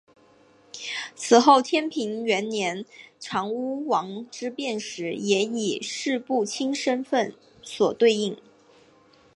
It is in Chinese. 此后天平元年长屋王之变时也以式部卿身份所对应。